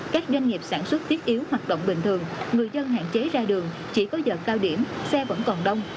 các doanh nghiệp sản xuất thiết yếu hoạt động bình thường người dân hạn chế ra đường chỉ có giờ cao điểm xe vẫn còn đông